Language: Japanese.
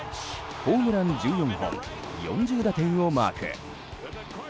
ホームラン１４本４０打点をマーク。